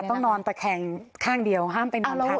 ต้องนอนตะแคงข้างเดียวห้ามไปนอนพัก